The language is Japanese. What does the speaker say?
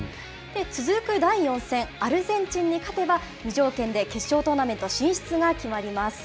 続く第４戦、アルゼンチンに勝てば、無条件で決勝トーナメント進出が決まります。